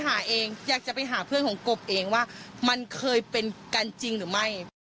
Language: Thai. หาเองอยากจะไปหาเพื่อนของกบเองว่ามันเคยเป็นกันจริงหรือไม่